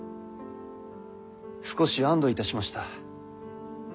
少し安堵いたしました。